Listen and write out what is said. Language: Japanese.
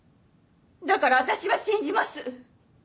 だから私は信じます。